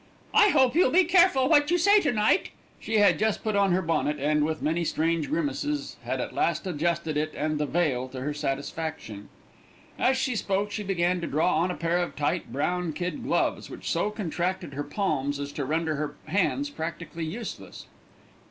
"I hope you'll be careful what you say to night." She had just put on her bonnet and with many strange grimaces had at last adjusted it and the veil to her satisfaction. As she spoke she began to draw on a pair of tight brown kid gloves, which so contracted her palms as to render her hands practically useless.